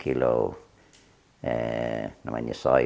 kalau kamu tidak berusaha